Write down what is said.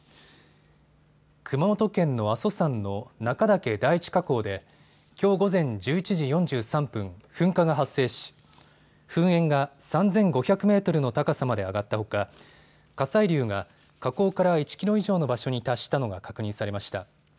熊本県の阿蘇山の中岳第一火口できょう午前１１時４３分、噴火が発生し噴煙が３５００メートルの高さまで上がったほか火砕流が火口から１キロ以上の場所に達したのが確認されました。